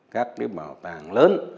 các cái bảo tàng lớn